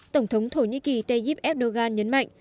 tổng thống thổ nhĩ kỳ tayyip erdogan nhấn mạnh